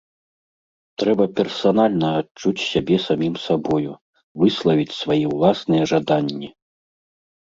Трэба персанальна адчуць сябе самім сабою, выславіць свае ўласныя жаданні!